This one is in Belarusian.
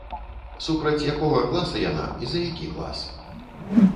Супраць якога класа яна і за які клас.